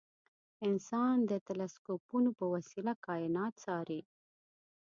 انسان د تلسکوپونو په وسیله کاینات څاري.